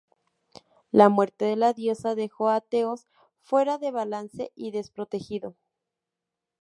La muerte de la Diosa dejó a Teos fuera de balance y desprotegido.